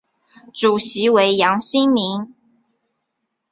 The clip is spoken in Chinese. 主席为杨新民。